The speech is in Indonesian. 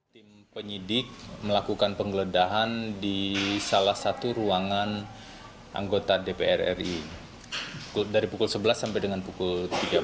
tim penyidik melakukan penggeledahan di salah satu ruangan anggota dpr ri dari pukul sebelas sampai dengan pukul tiga belas